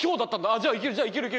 じゃあいけるいける！